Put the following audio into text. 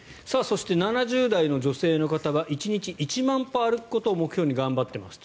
７０代の女性の方は１日１万歩歩くことを目標に頑張ってます。